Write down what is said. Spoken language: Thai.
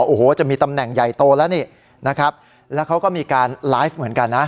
โอ้โหจะมีตำแหน่งใหญ่โตแล้วนี่นะครับแล้วเขาก็มีการไลฟ์เหมือนกันนะ